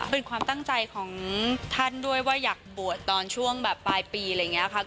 เป็นความตั้งใจของท่านด้วยว่าอยากบวชตอนช่วงแบบปลายปีอะไรอย่างนี้ค่ะ